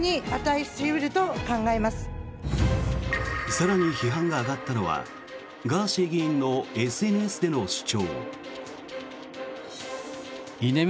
更に批判が上がったのはガーシー議員のＳＮＳでの主張。